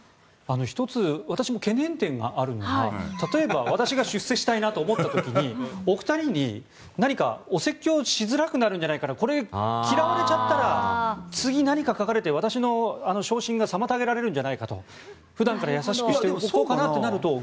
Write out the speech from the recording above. １つ私も懸念点があるのは例えば私が出世したいと思った時にお二人に何かお説教しづらくなるんじゃないかなこれ、嫌われちゃったら次、何か書かれて私の昇進が妨げられるんじゃないかと普段から優しくしておこうとなると。